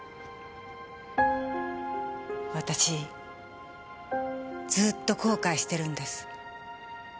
私ずーっと後悔してるんです。